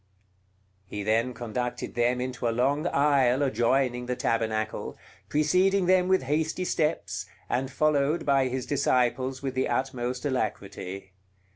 He then conducted them into a long aisle adjoining the tabernacle, preceding them with hasty steps, and followed by his disciples with the utmost alacrity.